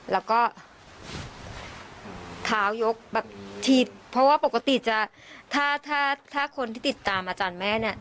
แล้วก็เท้ายกแบบถีบเพราะว่าปกติจะถ้าถ้าคนที่ติดตามอาจารย์แม่เนี่ย